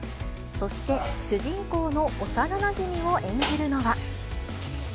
そして、主人公の幼なじみを演じるのが。